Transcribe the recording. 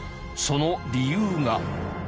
その理由が。